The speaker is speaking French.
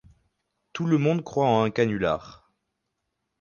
Tout le monde croit en un canular.